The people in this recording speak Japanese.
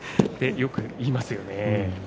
よく言いますよね。